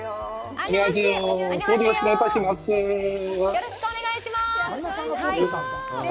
よろしくお願いします